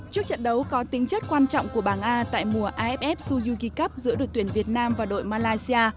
trước trận đấu có tính chất quan trọng của bảng a tại mùa aff suzyugi cup giữa đội tuyển việt nam và đội malaysia